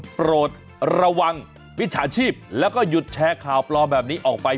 โปรดระวังมิจฉาชีพแล้วก็หยุดแชร์ข่าวปลอมแบบนี้ออกไป